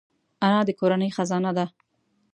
انا د کورنۍ خزانه ده